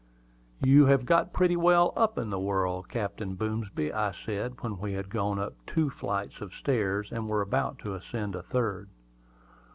"You have got pretty well up in the world, Captain Boomsby," I said when we had gone up two flights of stairs and were about to ascend a third.